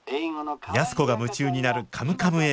安子が夢中になる「カムカム英語」。